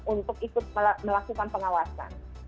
untuk ikut melakukan pengawasan